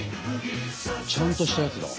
ちゃんとしたやつだ。